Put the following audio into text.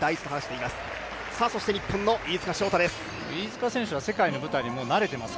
そして、日本の飯塚翔太です。